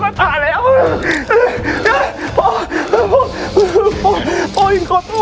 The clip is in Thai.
แม่แม่ให้ฟัง